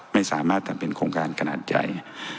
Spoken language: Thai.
ไม่สามารถทำเป็นโครงการขนาดใหญ่